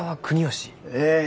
ええ。